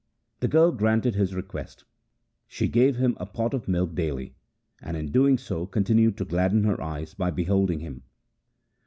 The girl granted his request. She gave him a pot of milk daily, and in doing so continued to gladden her eyes by beholding him.